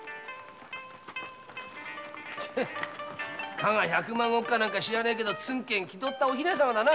加賀百万石だか知らないけどツンケン気取ったお姫様だな。